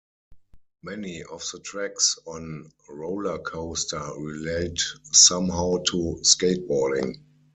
Many of the tracks on "Roller Coaster" relate somehow to skateboarding.